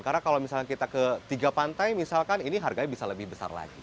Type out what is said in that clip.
karena kalau misalkan kita ke tiga pantai misalkan ini harganya bisa lebih besar lagi